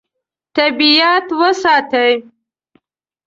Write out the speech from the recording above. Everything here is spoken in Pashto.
طبیعت وساتئ.